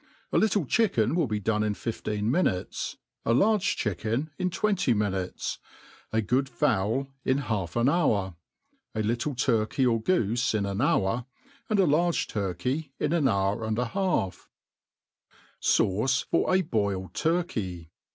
A little chicken will be done in fifteen minutes, a large chicken in twenty minutes, a good fowl in half an hour, a little turkejf or goofe in an hour, and a large turkey in an hour and a hal& Satui for a boiled Turkey.